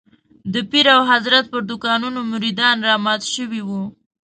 د پیر او حضرت پر دوکانونو مريدان رامات شوي وو.